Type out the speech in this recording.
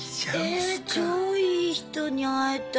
え超いい人に会えたじゃん。